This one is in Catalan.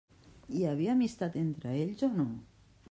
Hi havia amistat entre ells o no?